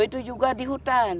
itu juga di hutan